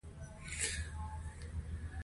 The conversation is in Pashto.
ستر ستره سترې